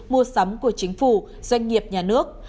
mua sắm của chính phủ doanh nghiệp nhà nước